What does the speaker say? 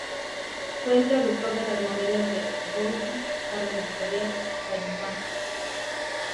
Fue el traductor de las novelas de Goethe, para la editorial Gallimard.